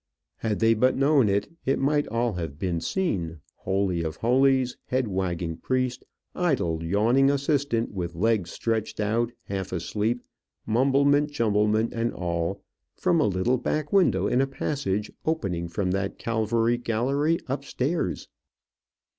Had they but known it, it might all have been seen, holy of holies, head wagging priest, idle yawning assistant, with legs stretched out, half asleep, mumblement, jumblement and all, from a little back window in a passage opening from that Calvary gallery upstairs.